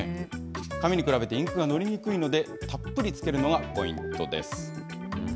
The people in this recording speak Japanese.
紙に比べてインクがのりにくいので、たっぷりつけるのがポイントです。